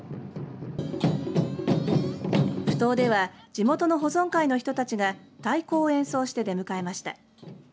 ふ頭では地元の保存会の人たちが太鼓を演奏して出迎えました。